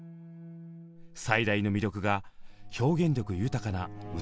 最大の魅力が表現力豊かな歌声。